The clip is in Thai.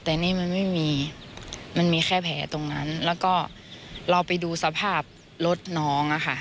แต่นี่มันไม่มีมันมีแค่แผลตรงนั้นแล้วก็เราไปดูสภาพรถน้องอะค่ะ